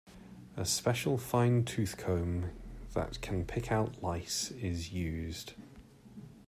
A special fine tooth comb that can pick out lice is used.